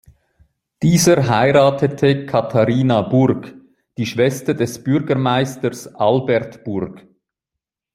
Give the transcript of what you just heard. Dieser heirate Catharina Burgh, die Schwester des Bürgermeisters Albert Burgh.